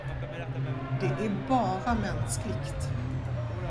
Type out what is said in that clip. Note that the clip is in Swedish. Det är bara mänskligt.